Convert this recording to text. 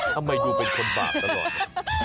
ทำไมดูเป็นคนบาปตลอด